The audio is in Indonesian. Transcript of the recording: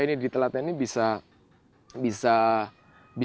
maka mereka bisa menggunakan sampah ini